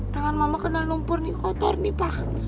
tangan mama kenal lumpur nih kotor nih pak